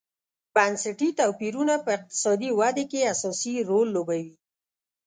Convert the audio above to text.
بنسټي توپیرونه په اقتصادي ودې کې اساسي رول لوبوي.